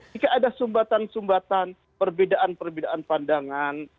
jika ada sumbatan sumbatan perbedaan perbedaan pandangan